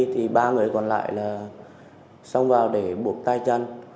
thì ba người còn lại là xông vào để buộc tay chân